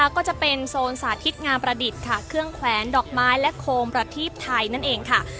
ก็จะเป็นโซนสาธิตงามประดิษฐ์ค่ะเครื่องแขวนดอกไม้และโคมประทีปไทยนั่นเองค่ะ